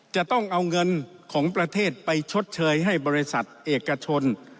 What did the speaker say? จะต้องเอาเงินของประเทศไปชดเชยให้บริษัทเอกชน